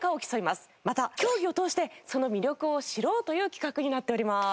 また競技を通してその魅力を知ろうという企画になっております。